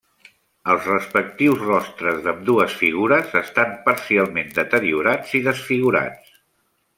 Els respectius rostres d'ambdues figures estan parcialment deteriorats i desfigurats.